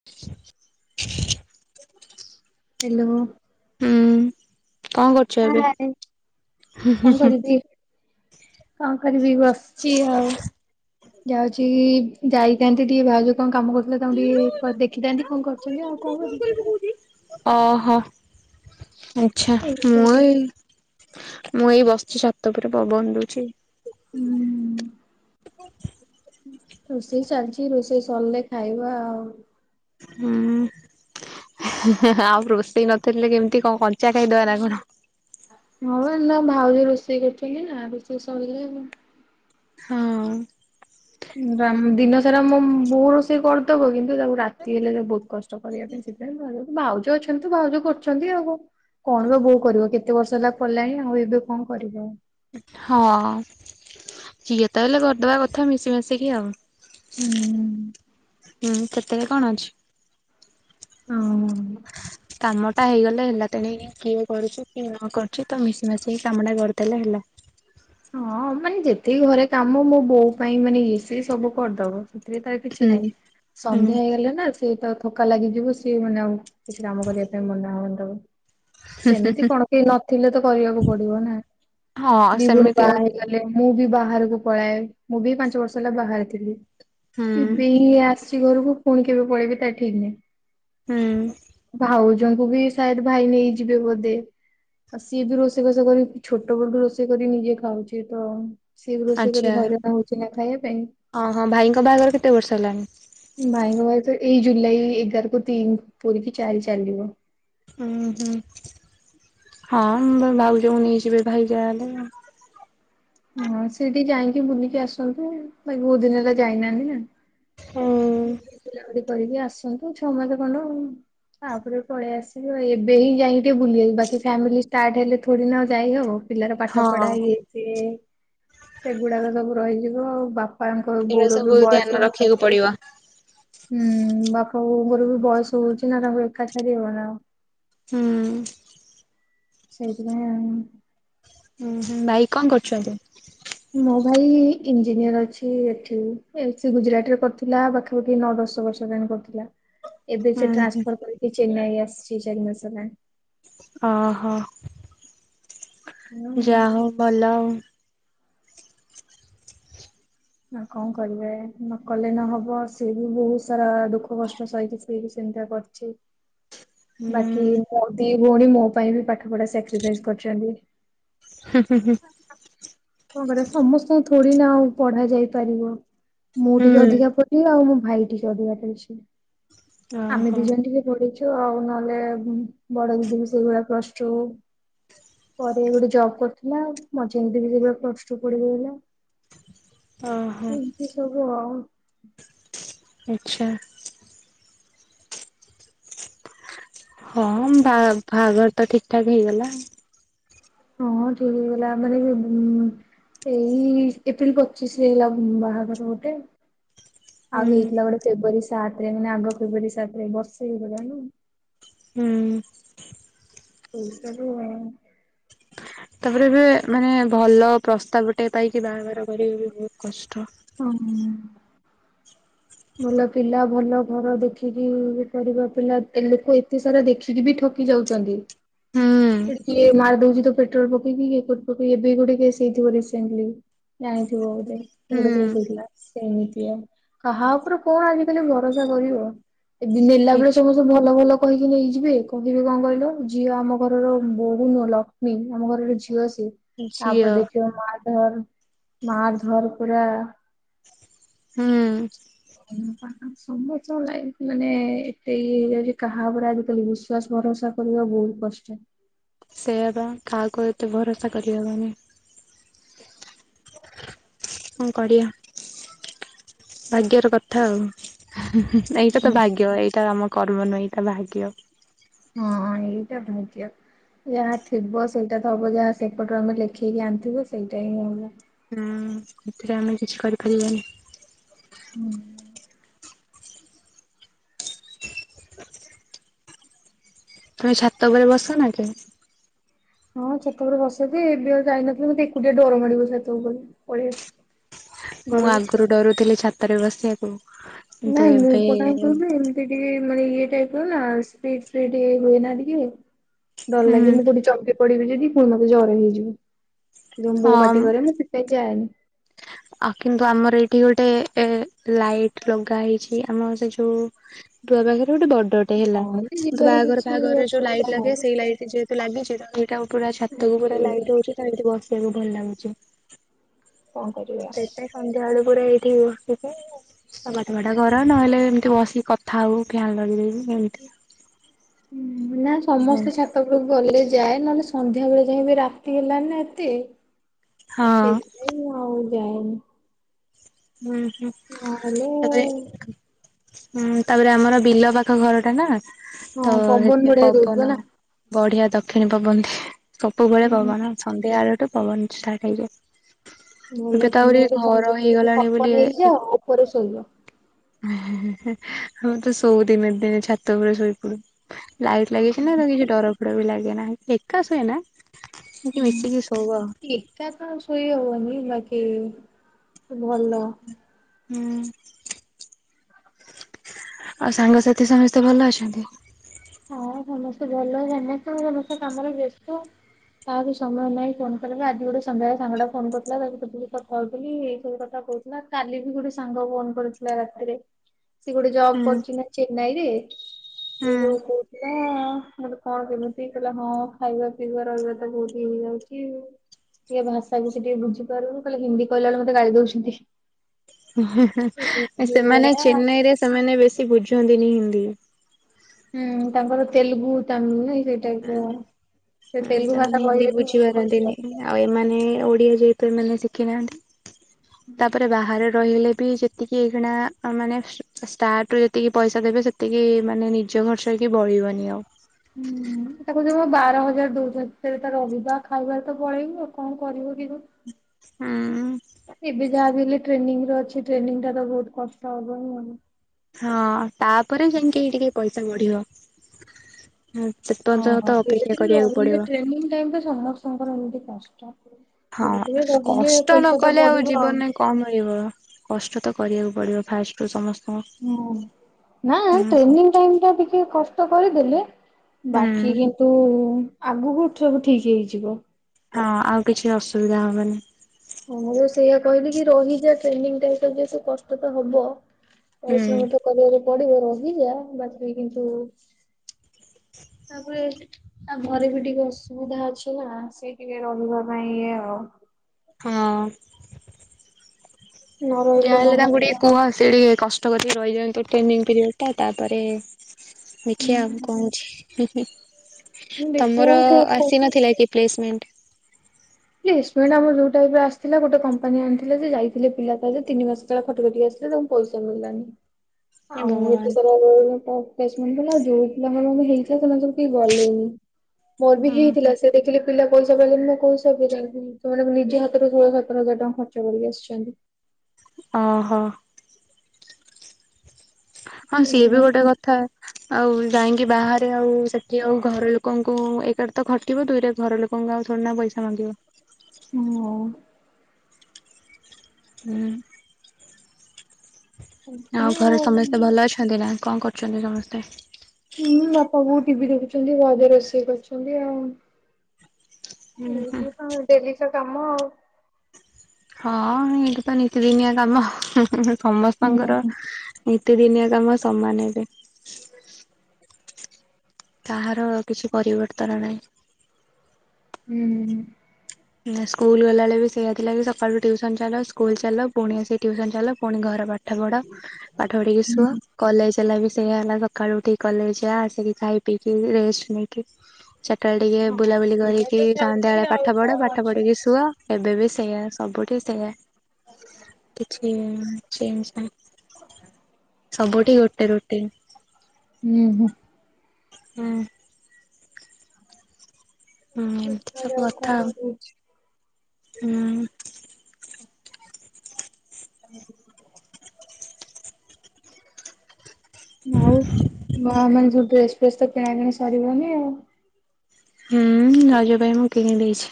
[unintelligible] Hello. ହୁଁ କଣ କର ହ କଣ କରିବି? କଣ କରିବି ବସିଛି ଆଉ ଯାଉଛି ଯାଇଥାନ୍ତି ଟିକେ ଭାଉଜ କଣ କାମ କରୁଥିଲେ ତାଙ୍କୁ ଟିକେ ଦେଖିଥାନ୍ତି କଣ କରୁଛନ୍ତି ଆଉ କଣ କର ଓହୋ ଆଛା ଏଇ ମୁ ସବୁ ହୁଁ ମୁଁ ଏଇ ବସିଛି ଛାତ ଉପରେ ପବନ ଦଉଛି। ହୁଁ ହୁଁ। ରୋଷେଇ ଚାଲିଛି ରୋଷେଇ ସରିଲେ ଖାଇବା ଆଉ। ହୁଁ ଆଉ ରୋଷେଇ ନଥିଲେ କେମିତି କଣ କଞ୍ଚା ଖାଇଦବ ନା କଣ? ହଁ ନା ଭାଉରି ରୋଷେଇ କରୁଛନ୍ତି ନା ରୋଷେଇ ସଇଲେ ହଁ। ଦିନ ସାରା ମୁଁ ବୋଉ ରୋଷେଇ କରିି ବ କିନ୍ତୁ ତାକୁ ରାତି ହେଲେ ବହୁତ କଷ୍ଟ କରିବା ପାଇଁ ସିଥିଲା ଆଉ ଭାଉଜ ଅଛନ୍ତି ଭାଉଜ କରୁଛନ୍ତି ଆଉ। କଣ ବା ବୋଉ କରିବ କେତେ ବର୍ଷ ହେଲା ପଡ଼ିଲାଣି ଆଉ ଏବେ କଣ କରିବ ଆଉ। କିଏ ତ ହେଲେ କରିଦବା କଥା ମିଶି ମାଶିକି ଆଉ। ହୁଁ। ହୁଁ ସେତେରେ କଣ ଅଛି। ହଉ [unintelligible] କାମ ଟା ହେଇଗଲେ ହେଲା ତେଣ କିଏ କରୁଛିୁ କିଏ ନ କରୁଛି ତ ମିଶି ମାଶିକି କାମ ଟା କରିଦେଲେ ହେଲା। ହଁ ମାନେ ଯେତିକି ଘରେ କାମ ମୋ ବୋଉ ପାଇଁ ମାନେ ଇଏ ସ ସବୁ କରିଦବ ସେଥିରେ ତାର କିଛି ହୁଁ ନାଇଁ ହୁଁ ସନ୍ଧ୍ୟା ହେଇଗଲେ ନା ସିଏ ତ ଥକା ଲାଗିଯିବ ସିଏ ମାନେ ଆଉ କିଛି କାମ କରିବା ପାଇଁ ମନା ହବନି ତାକୁ। ସେମିତି କଣ କେହି ନଥିଲେ ତ କରିବାକୁ ପଡିବ ନା ହଁ ଦି ଗୁଳି। ସେମିତି ଆଉ ସେ ଗଲେ ମୁଁ ବି ବାହାରକୁ ପଳାଏ ମୁଁ ବି ପାଞ୍ଚ ବର୍ଷ ହେଲା ବାହାରେ ଥିଲି। ହୁଁ ଏବେ ହିଁ ଆସିଛି ଘରୁକୁ ପୁଣି କେବେ ପଳେଇବି ତା ଠିକ ନାହିଁ। ହୁଁ। ଭାଉଜଙ୍କୁ ବି ଥାଏ ଭାଇ ନେଇଯିବେ ବୋଧେ ଆଉ ସିଏ ବି ରୋଷେଇ ବାଷ କରି ଛୋଟ ବେଳୁ ଠୁ ରୋଷେଇ କରି ନିଜେ। ଖାଉଛି ତ। ସିଏ ବି ରୋଷେଇ ଆଚ୍ଛା କରି ହଇରାଣ ହଉଛି ନା ଖାଇବା ପାଇଁ। ଓହୋ ଭାଇଙ୍କ ବାହାଘର କେତେ ବର୍ଷ ହେଲାଣି? ଭାଇଙ୍କ ଭାଇ ତ ଏଇ ଜୁଲାଇ ଏଗାର କୁ ତିନି ପୁରିକି ଚାରି ଚାଲିବ। ଉୁଁ ହୁଁ ହଁ ମୁ ଭାଉଜ ଙ୍କୁ ନେଇଯିବେ ଭାଇ ଯାହା ହେଲେ। ହଁ ସେଇଠିକି ଯାଇଁକି ବୁଲିକି ଆସନ୍ତୁ ବହୁତ୍ ଦିନି ହେଲା ଯାଇନାହାନ୍ତି ନା। ସିଏ ବୁଲାବୁଲି କରିକି ଆସନ୍ତୁ ଛଅ ମାସ ଖଣ୍ଡ ହୁଁ। ତାପରେ ପଳେଇ ଆସିବ ଏବେ ହିଁ ଯାଇଁକି ଟିକେ ବୁଲି ବାକି ଫ୍ୟାମିଲି ଷ୍ଟାର୍ଟ ହେଲେ ଥୋଡ଼ି ନା ଆଉ ଯାଇ ହବ। ପିଲାର ପାଠ ହଁ ପଢା ଇଏ ସିଏ ସେଗୁଡାକ ସବୁ ରହିଯିବ ଆଉ ବାପା। ବାପାଙ୍କ ବୋଉ ର ବି ବୟସ। ପଡ଼ିବ। ହୁଁ ବାପା ବୋଉଙ୍କର ବି ବୟସ ହଉଛି ନା ତାଙ୍କୁ ଏକା ଛାଡି ହବ ନା। ହୁଁ। ସେଇଥିପାଇଁ ଆଉ। ହୁଁ ହୁଁ ଭାଇ କଣ କରୁଛନ୍ତି। ମୋ ଭାଇ ଏ ଇଞ୍ଜିନିୟର ଅଛି ଏଠି ଏମ ସିଏ ଗୁଜୁରାଟ ରେ କରୁଥିଲା ପାଖା। ତୁ ଦି ନଅ, ଦଶ ବର୍ଷ ଯାଏଁ କରୁଥିଲା। [inaudible] ଏବେ ସେ ହୁଁ ଟ୍ରାନ୍ସଫର କରିକି ଚେନ୍ନାଇ ଆସିଛି ଚାରି ମାସେ ହେଲା। ଅ ହ। ହୁଁ। ଯାହା ହଉ ଭଲ ଆଉ। ଆଉ କଣ କରିବେ ନ କଲେ ନହବ ସିଏ ବି ବହୁତ ସାରା ଦୁଃଖ କଷ୍ଟ ସହିକି ସେ। ସେ ବି ସେମିତି ଆ କରିଛି। [unintelligible] ବାକି ମୋ ଦି ଭଉଣୀ ମୋ ପାଇଁ ବି ପାଠ ପଢା ସାକ୍ରିଫାଇଜି କରିଛନ୍ତି। ହୁଁ ହୁଁ ହୁଁ। କଣ କରିବା ସମସ୍ତଙ୍କୁ ଥୋଡି ନା ଆଉ ପଢା ଯାଇ ପାରିବ। ମୁଁ ଟିକେ ହୁଁ। ଅଧିକା ପଢିଲି ଆଉ ମୋ ଭାଇ ଟିକେ ଅଧିକା ପଢ଼ିଛି ଆମେ ଓହୋ ଦି ଜଣ ଟିକେ ପଢ଼ିଚୁ। ଚୁ ଆଉ ନହେଲେ ବଡ ଦିଦି ବି ସେଇଭଳିଆ ପ୍ଲସ ଟୁ। ପରେ ଗୋଟେ କରୁଥିଲା ମଝିଆ ଦିଦି ବି ସେ ଭଳିଆ ପ୍ଲସ୍ ଟୁ ପଢିକି ରହିଲା। ଓହୋ। ଏମିତି ସବୁ ଆଉ। ଆଚ୍ଛା। ହଁ ବା ବାହାଘର ତ ଠିକି ଠାକ ହେଇଗଲା। ହଁ ଠିକ୍ ହେଇଗଲା ମାନେ ଏ ବୁ। ଏଇ ଏପ୍ରିଲ ପଚିଶି ରେ ହେଇଗଲା ବାହାଘର ଗୋଟେ। ହୁଁ ଆଉ ହେଇଥିଲା ଗୋଟେ ଫେବୃୟାରୀ ସାତେ ରେ ମାନେ ଆଗ ଫେବୃୟାରୀ ସାତେ ରେ ବର୍ଷେ ହୋଇଗଲାଣି। ହୁଁ। ପରିଶ୍ରା ଗୃହ। ତାପରେ ଏବେ ମାନେ ଭଲ ପ୍ରସ୍ତାବଟେ ପାଇକି ବାହାଘର କରିବା ବି ବହୁତ କଷ୍ଟ। ହଁ ହୁଁ। [unintelligible] ଭଲ ପିଲା, ଭଲ ଘର ଦେଖିକି ଇଏ କରିବା [unintelligible] ପିଲା ଲୋକ ଏତେ ସାରା ଦେଖିକି ବି ଠକ ଠକି ଯାଉଛନ୍ତି [inaudible] ଏଠି କିଏ ମାରିଦୋଉଚି ତ ପେଟ୍ରୋଲ ପକେଇକି କିଏ [unintelligible] ଏବେ ଗୋଟେ କେସ୍ ହେଇଥିବ ରିସେଣ୍ଟଲି ଜାଣିଥିବ ବୋଧେ ଗୋଟେ କେସ ହୁଁ ହେଇଥିଲା ସେମିତିଆ କାହା ଉପରେ ଙ୍କ ଆଜିିକାଲି ଭରସା କରିବ ଏଠି ନେଲା ବେଳେ ସବୁ ସମସ୍ତେ [unintelligible] ଭଲ ଭଲ କହିକି ନେଇଯିବେ କହିବେ ଙ୍କ କହିଲ ଝିଅ ଆମ ଘରର ବୋଉ ନୁହଁ ଲଖି ଲକ୍ଷ୍ମୀ ଆମ ଘରର ଝିଅ ସେ ତାପରେ ଝିଅ ଦେଖିବ ମାର ଧର ମାର ଧର ପୁରା ହଁ ସମସ୍ତଙ୍କ ଲାଇଫ ମାନେ ଏତେ ଇଏ ହେଇଯାଉଚି କାହା ଉପରେ ଆଜି କାଲି ବିଶ ବିଶ୍ୱାସ ଭରସା କରିବା ବୋହୁତ କଷ୍ଟ ସେଇୟା ପା କାହାକୁ ଏତେ ଭରସା କରିହବନି ଙ୍କ କରିଆ? ଭାଗ୍ୟର କଥା ଆଉ ଏଇଟା ତ ଭାଗ୍ୟ ଏଇଟା ଆମ କର୍ମ ନୁହେଁ ଏଇଟା ଭାଗ୍ୟ। ହଁ ଏଇଟା ଭାଗ୍ୟ। ଯାହା ଥିବ ସେଇଟା ତ ହବ ଯାହା ସେପଟୁ ଆମେ ଲେଖେଇକି ଆଣିଥିବୁ ସେଇଟା ହିଁ ହେବ। ହୁଁ ସେଥିରେ ଆମେ କିଛି କରିପାରିବାନି। ହୁଁ। ତୁମେ ଛାତ ଉପରେ ବସ ନା ଏକା ହଁ ଛାତ ଉପରେ ବସେ ଯେ ଏବେ ଆଉ ଯାଇ ନଥିଲି ମତେ ଏକୁଟିଆ ଡର ମାଡ଼ିବ ଛାତ ଉପରେ। ପଳିଆସିଲି ମୁଁ ଆଗୁରୁ ଡରୁଥିଲି ଛାତରେ ବସିଆକୁ ନାଇଁ [unintelligible] ଏ ଟିକେ ମାନେ ଇଏ ଟାଇପ ର ନା [unintelligible] ହୁଏ ନା ଟିକେ ଡର ହୁଁ ଲାଗେ ମୁଁ କୋଠି ଚମକି ପଡିବି ଯଦି ପୁଣି ମତେ ଜର ହେଇଯିବ ପୁଣି ବୋଉ ପାଟି କରେ ପେ ଯାଏନି ଆଉ କିନ୍ତୁ ଆମର ଏଇଠି ଗୋଟେ ଏ ଲାଇଟ ଲଗା ହେଇଛି ଆମ ସେ ଯୋଉ ଟୁଆ ପାଖରେ ଗୋଟେ ବଡଟେ ହେଲା ହଁ କିନ୍ତୁ ଯିବାରେ ବାହାଘର କିଛି ଫାଘର ରେ ଯୋଉ ଅସୁବିଧା ଲାଇଟ୍ ଲାଗେ ସେଇ ନାହିଁ ଲାଇଟ୍ ଲାଗିଛି ତ ଏଇଟାକୁ ପୁରା ଛାତ କୁ ବାକି ପୁରା ଲାଇଟ୍ ହଉଛି ତ ଏଠି ବସିବାକୁ ଭଲ ଲାଗୁଛି। କଣ କରିବା ସନ୍ଧ୍ୟା ବେଳୁ ପୁରା ଏଇଠି ବସିଚି [unintelligible] ନହେଲେ ଏମିତି ବସିକି କଥା ହଉ ଫ୍ୟନ୍ ଲଗେଇଦେଇକି ଏମତି ଆଉ ହଁ ନାଇଁ ସମସ୍ତେ ଛାତ ଆ ଗଲେ ଯାଏ ନହେଲେ ସନ୍ଧ୍ୟା ବେଳେ ଯାଇ ବିି ରାତି ହେଲାନି ନା ଏତେ ହଁ ସେଇଥିପାଇ ପାଇଁ ମୁଁ ଆଉ ଯାଏନି ହୁଁ ହୁଁ ନହେଲେ [unintelligible] ହୁଁ ତାପରେ ଆମର ବିଲ ପାଖ ଘର ଟା ନା ତ ହଁ ପବନ ଏତେ ଦଉଥିବ ପବନ ବଢିଆ ନା ବଢ଼ିଆ ଦକ୍ଷିଣୀ ପବନ ଦିଏ। ସବୁବେଳେ ହୁଁ ପବନ ସନ୍ଧ୍ୟା ଆଳଠୁ ପବନ ଷ୍ଟାର୍ଟ ହେଇଯାଏ। ଏବେ ଭଲ ତ ତମେ ଆହୁରି ଗୋଟେ ଛ ଘର ହେଇଗଲାଣି ଛପ ବୋଲି ଏ ନେଇଯାଅ [unintelligible] ଉପରେ ଶୋଇବ। ହେ ହେ ହେ ହେ ଆମେ ତ ଶୋଉ ଦିନେ ଦିନେ ଛାତ ଉପରେ ଶୋଇପଡୁ। ଲାଇଟ୍ ଲାଗେଛି ନା ତ କିଛି ଡର ଫଡ ବି ଲାଗେ ନା ଏକା ଶୁଏ ନା ସେ ଯୋଉ ମିଶିକି ଶୋଇବ। ଏକାତ ଆଉ ଶୋଇହବନି ବାକି ଭଲ। ହୁଁ। ଆଉ ସାଙ୍ଗସାଥି ସମସ୍ତେ ଭଲ ଅଛନ୍ତି? ହଁ ସମସ୍ତେ ଭଲ, ସମସ୍ତଙ୍କ ସମସ୍ତେ କାମରେ ବ୍ୟସ୍ତ। କାହାକୁ ସମୟ ନାହିଁ ଫୋନ୍ କରିବା ଆଜି ଗୋଟେ ସନ୍ଧ୍ୟାବେଳେ ସାଙ୍ଗଟା ଫୋନ୍ କରିଥିଲା ତାକୁ ସେତଳୁ କଥାହଉଥିଲି, ଏଇସବୁ କଥା କହୁ ନା କାଲି ବି ଗୋଟେ ସାଙ୍ଗ ଫୋନ୍ କରିଥିଲା ରାତିରେ। ସେ ଗୋଟେ ଜବ୍ ହୁଁ କରୁଛି ନା ଚେନ୍ନାଇରେ ସେ ହୁଁ ଯୋଉ ଲା ମୁ କହିଲି କଣ କେମିତି, କହିଲା ହଁ ଖାଇବା ପିଇବା ରହିବା ତ ବହୁତ ହେଇଯାଉଛି। ଟିକେ ଭାଷା ଭୁଷି ବି ଟିକେ ବୁଝିପାରୁନି କହିଲା ହିନ୍ଦି କହିଲା ବେଳକୁ ମତେ ଗାଳି ଦଉଛନ୍ତି। ଏଇ ସେମାନେ ଭଳିଆ ଚେନ୍ନାଇରେ ସେମାନେ ବେଶୀ ବୁଝନ୍ତିନି ହିନ୍ଦୀ। ହୁଁ ତାଙ୍କର ତେଲ୍ଗୁ, ତାମିଲ୍ ନାଇଁ ସେ ଏମତି ହଁ ତେଲୁଗୁ ଭାଷା ସେମାନେ ହିନ୍ଦୀ କହିବା ବି ବହୁତ ବୁଝିପାରନ୍ତିନି। କଷ୍ଟ। ଆଉ ଏମାନେ ଓଡ଼ିଆ ଯେହେତୁ ଏମାନେ ଶିଖିନାହାନ୍ତି, ତାପରେ ବାହାରେ ରହିଲେ ବି ଯେ ଏତିକି ଏଇକ୍ଷିଣା ମାନେ ଷ୍ଟାର୍ଟରୁ ଯେତିକି ପଇସା ଦେବେ ସେତିକି ମାନେ ନି ନିଜ ଖର୍ଚ୍ଚ ହେଇକି ବଳବନି ଆଉ। [inaudible] ହୁଁ ତାକୁ ଜମା ବାରହଜାର ଦଉଛନ୍ତି ତବେ ତା ରହିବା ଖାଇବାରେ ତ ପଳେଇବ ଆଉ କଣ କରିବ କେଜାଣି? ହୁଁ। ଏବେ ଯାହାବି ହେଲେ ଟ୍ରେନିଂରେ ଅଛି, ଟ୍ରେନିଂଟା ତ ବହୁତ କଷ୍ଟ ହବହିଁ ହବ। ହଁ ତାପରେ ଯାଇଁକି ଟିକେ ପଇସା ବଢ଼ିବ, ହୁଁ। ଓହୋ, ଧିରେ ଧିରେ ରହିଲେ ଟ୍ରେନିଂ ଟାଇମ୍ ଟା ସମସ୍ତଙ୍କର ଏମତି କଷ୍ଟ। ହଁ, ଧୀରେ ଧୀରେ ରହିଲେ କଷ୍ଟ ନ ପଇସା ଟା କଲେ ଆଉ ବଢିବ ଜୀବନନେ କଁ ମିଳିବ? କଷ୍ଟ ତ କରିବାକୁ ପଡିବ ଫାଷ୍ଟ। ଠୁ ସମସ୍ତଙ୍କୁ। ହୁଁ, ନାଁ ହୁଁ ହୁଁ। ଟ୍ରେନିଂ ଟାଇମଟା ଟିକେ କଷ୍ଟ କରିଦେଲେ ବାକି କିନ୍ତୁ ଆଗକୁ ଠବୁ ଠିକ୍ ହେଇଯିବ। ହଁ ଆଉ କିଛି ଅସୁବିଧା ହବନି। ହଁ ମୁଁ ସେଇଆ କହିଲି କି ରହିଯା ଟ୍ରେନିଂ ଟାଇମଟା ଯେ ସେଇ କଷ୍ଟ ତ ହବ। ହୁଁ ପରିଶ୍ରମ ତ କରିବାକୁ ପଡିବ ରହିିଯା ବାକି କିନ୍ତୁ ତାପରେ ତା ଘରେ ବି ଟିକେ ଅସୁବିଧା ଅଛି ନା, ସେ ଟିକେ ରହିବା ପାଇଁ ଇଏ ଆଉ। ହଁ ନ ରହିଲେ ଯାହାହେଲେ ତାଙ୍କୁ ଟିକେ ନହବ। କୁହ ସେ ଟିକେ କଷ୍ଟ କରିକି ରହିଯାଆନ୍ତୁ ଟ୍ରେନିଂ ପିରିଅଡ଼ଟା ତାପରେ ଦେଖିଆ କଣ ହଉଛି, ତମର ଦେଖିବା ଆସିନଥିଲା କି? ପ୍ଲେସମେଣ୍ଟ? ପ୍ଲେସମଣ୍ଟ ଆମର ଯୋଉ ଟାଇପର ଆସିଥିଲା ଗୋଟେ କମ୍ପାନୀ ଆଣିଥିଲା ଯେ ଯାଇଥିଲେ ପିଲା ତା ଦେ ତିନି ମାସେ ସେତେଳେ ଖଟି ଖଟି ଆସିଲେ ତାଙ୍କୁ ପଇସା ମିଳିଲାନି, ହେ ଆଉ ଏତେ ସ [unintelligible] ପ୍ଲେସମେଣ୍ଟ ଥିଲା, ଆଉ ଯୋଉ ପିଲାମାନଙ୍କ ହେଇଥିଲା ସେମାନେ ସବୁ କେହି ଗଲେନି। ମୋର ବି ହେଇଥିଲା ଭଗବାନ। ସେ ଦେଖିଲେ ପିଲା ପଇସା ପାଇଲେନି ମୁଁ କହୁଛି ସବୁ ପିଲାଙ୍କୁ, ସେମାନେ ନିଜେ ହାତରୁ ଷୋଳ ସତର ହଜାର ଟଙ୍କା ଖର୍ଚ୍ଚ କରିକି ଆସିଛନ୍ତି। ଅହୋ। ହଁ ସିଏ ବି ସେଇଥିପାଇଁ ଗୋଟେ ଆଉ କଥା। ଆଉ ଯାଇଁକି ବାହାରେ ଆଉ ସେଠି ଆଉ ଘର ଲୋକଙ୍କୁ ଏକାଠି ତ ଖଟିବ, ଦୁଇରେ ଘର ଲୋ ଙ୍କୁ ଥୋଡ଼ି ନା ପଇସା ମାଗିବ? ହୁଁ। ହୁଁ। ଆଉ ଘରେ ସମସ୍ତେ ଭଲ ଅଛନ୍ତି ନା କଣ କରୁଚନ୍ତି ସମସ୍ତେ। ହୁଁ ବାପା ବୋଉ ଟିଭି ଦେଖୁଚନ୍ତି ଭାଉଜ ରୋଷେଇ କରିୁଚନ୍ତି ଆଉ। ହୁଁ ହୁଁ ହ କଣ ଡେଲି ତ କାମ ଆଉ। ହଁ ଏଇଠି ତ ନିତିଦିନିଆ କାମ ସମସ୍ତଙ୍କର ହୁଁ। ନିତି ଦିନିଆଁ କାମ ସମାନ ହେବେ। କାହାର କିଛି ପରିବର୍ତ୍ତନ ନାହିଁ। ହୁଁ। ସ୍କୁଲ୍ ଗଲାବେଳେ ବି ସେଇଆ ହେଥିଲା କି ସକାଳୁ ଟ୍ୟୁସନ ଚାଲ ସ୍କୁଲ ଚାଲ ପୁଣି ଆସ ଟ୍ୟୁସନ ଚାଲ ପୁଣି ଘର ପା ଠ ପଢ ପାଠ ପଢିକି ଶୁଅ ହୁଁ। କଲେଜ ହେଲା ବି ସେଇୟଆ ହେଲା। ସକାଳୁ ଉଠିକି କଲେଜ ଯା ଆସିକି ଖାଇ ପିଇକି ରେଷ୍ଟ ନେଇକି ଚାଟାବେଳେ ଟିକେ ହଁ ବୁଲାବୁଲି ସେଇଭଳିଆ କରିକି ତ ସନ୍ଧ୍ୟା ଚାଲିଛି ବେଳେ ଆଉ ପାଠ ପଢ କଣ ପାଠ ଅଛି। ପଢିକି ସୁଅ ଏବେ ବି ସେଇୟା ସବୁଠି ସେଇଆ। କିଛି ଚେଞ୍ଜ ନାହିଁ ସବୁଠି ଗୋଟେ ରୁଟିନ। ହୁଁ ହୁଁ। ହଁ। ହୁଁ ଏମତି ସବୁ ଦେଖାଯାଉ କଥା କଣ ଆଉ ହଉଛି। ହୁଁ। ହୁଁ ଆଉ ମାନେ ଯୋଉ ଡ୍ରେସ ଫ୍ରେସ୍ ତ କିଣା କିିଣା ସରିବନି ଆଉ। ହୁଁ ରଜ ପାଇଁ ମୁଁ କିଣିଦେଇଚି।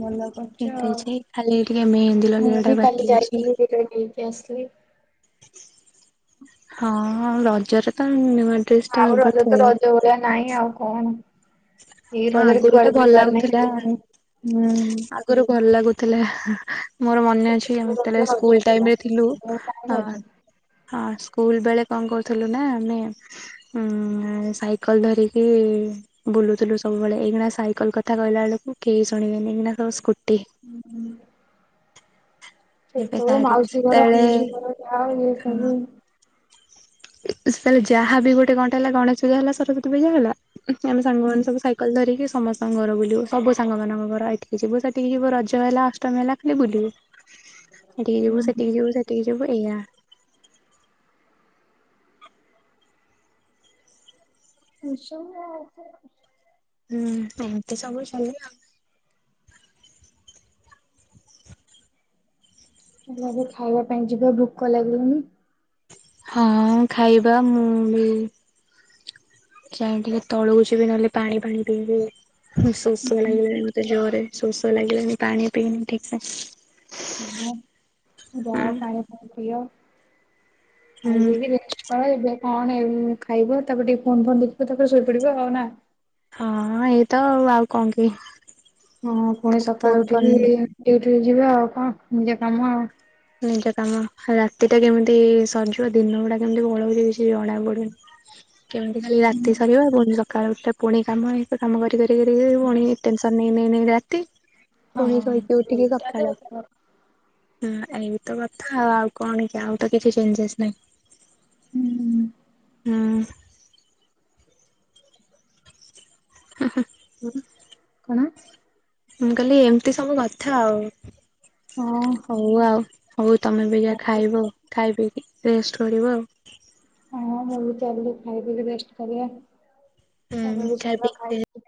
ଭଲ କରୁଚ ଆଉ। ଖାଲି ଟିକେ ମେହେନ୍ଦୀ ମୁଁ ଲଗେଇବାଟା ବି ବାକି କାଲି ଅଛି। ଯାଇଥିଲି [unintelligible] ନେଇକି ଆସଥିଲି। ହଁ ରଜରେ ତ ନ ଆଉ ରଜ ତ ରଜ ଭଳିଆ ନାହିଁ ଆଉ କଣ ଏଇ ରଜରେ ଆଗରୁ ତ କୁଆଡେ ଭଲ ଯିବାର ନାହିଁ ଲାଗୁଥିଲା ଆସିବାର ନାହିଁ। ଆଗରୁ ଭଲ ଲାଗୁଥିଲା। ମୋର ମନେ ଅଛି ଛୋଟବେଳେ ଆମେ ରଜ ଯେତେବେଳେ ରଜ ସ୍କୁଲ ଥିଲା ଟାଇମରେ ଥିଲୁ ଏବେ ଆଉ କାଇଁ ରଜ। ଆଁ ହଁ ସ୍କୁଲ ବେଳେ କଣ କରୁଥିଲୁ ନା ଆମେ ଉଁ ଉଁ ସାଇକଲ ଧରିକି ଇ ବୁଲୁଥିଲୁ ସବୁବେଳେ ଏଇକିଣା ସାଇକଲ କଥା କହିଲା ବେଳକୁ କେହି ଶୁଣିବେନି ଏଇିନା ସବୁ ସ୍କୁଟି। ହୁଁ। ଏବେ ସେତେବେଳେ ଗାଡି ମାଉସି ଘର ସେତେବେଳେ ପିଉସୀ ଘର ଆଉ ଇଏ ସବୁ ସେ ଯାହା ବି ଗୋଟେ କଣଟେ ହେଲା ଗଣେଶ ପୂଜା ହେଲା ସରସ୍ଵତୀ ପୂଜା ହେଲା ଆମେ ସାଙ୍ଗମାନେ ସବୁ ସାଇକେଲ ଧରିକି ସମସ୍ତଙ୍କ ଘର ବୁଲିବୁ ସବୁ ସାଙ୍ଗମାନଙ୍କ ଘର ଏଇଠିକି ଯିବୁ ସେଠିକି ଯିବ ରଜ ହେଲା ଅଷ୍ଟମୀ ହେଲା ଖାଲି ବୁଲିବୁ। ଏଠିକି ଯିବୁ ସେଠିକି ଯିବୁ ସେଠିକି ଯିବୁ ଏଇଆ। [unintelligible] ହୁଁ ଏମତି ସବୁ ଚାଲେ ଆଉ। ଏବେ ଖାଇବା ପାଇଁ ଯିବା ଭୋକ ଲାଗିଲାଣି। ହଁ ଅଁ ଖାଇବା ମୁଁ ବି ଯାଇ ଟିକେ ତଳକୁ ଯିବି ନହେଲେ ପାଣି ଫାଣି ପିଇବି। ହୁଁ ଶୋଷ ଲାଗିଲାଣି ମତେ ଜୋରରେ ଶୋଷ ଲାଗିଲାଣି ପାଣି ପିଇନି ଠିକସେ। ହଁ ଯାଅ ପାଣି ଫାଣୀ ପିଅ ଖାଇ ହୁଁ ଦେଇକି ରେଷ୍ଟ କଣ ଏବେ କଣ ଏ ଖାଇବ ତାପରେ ଟିକେ ଫୋନ ଫୋନ ଦେଖିବ ତାପରେ ଶୋଇପଡିବ ଆଉ ନା? ହଁ ଏଇତ ଆଉ କଣ କି। ହଁ ପୁଣି ଫୋନ ସକାଳୁ ଫୋନ ଉଠିକି ଡିଉଟି ଯିବି ଆଉ କଣ ନିଜ କାମ ଆଉ। ନିଜ କାମ ରାତିଟା କେମିତି ସରିଯିବ ଦିନ ଗୁଡା କେମିତି ପଳଉଛି କିଛି ଜଣା ପଡୁନି। [inaudible] କେମତି ଖାଲି ହୁଁ ରାତି ସରିବ ପୁଣି ସକାଳେ ଉଠିଲେ ପୁଣି କାମ ହେଇ କାମ କରି କରି କରି କରି ପୁଣି ଟେନସନ। ନେଇଁ ନେଇଁ ନେଇଁ ରାତି ପୁଣି ହଁ ସୋଇକି ଉଠିକି ସେଇଟା ତ ସକାଳ। ଏଇତ କଥା ଆଉ କଣ କି ଆଉ ତ କିଛି ଚେଞ୍ଜେସ ନାହିଁ। ହୁଁ। ହୁଁ। ହୁ ହୁ। [unintelligible] କଣ? ମୁଁ କହିଲି ଏମିତି ସବୁ କଥା ଆଉ ହଁ ହଉ ଆଉ। ହଉ ତମେ ବି ଯା ଖାଇବ ଖାଇ ପିଇକି ରେଷ୍ଟ କରିବ ଆଉ। ହଁ ମୁଁ ବି ଚାଲିଲି ଖାଇକି ରେଷ୍ଟ କରିବା ତମେ ହୁଁ ବି ଚାଲ ପିଇକି ଖାଇ ପିଇ କି ରେଷ୍ଟ